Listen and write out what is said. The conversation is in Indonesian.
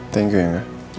thank you ya enggak